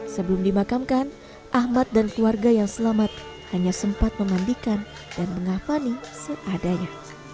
sebelum dimakamkan ahmad dan keluarga yang selamat hanya sempat memandikan dan mengavani seadanya